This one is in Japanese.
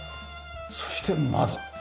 そして窓。